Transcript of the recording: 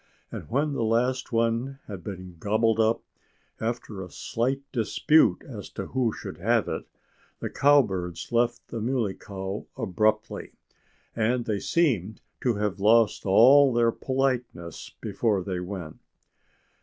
And when the last one had been gobbled up after a slight dispute as to who should have it the cowbirds left the Muley Cow abruptly. And they seemed to have lost all their politeness before they went.